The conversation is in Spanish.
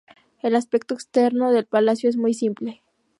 El aspecto externo del palacio es muy simple.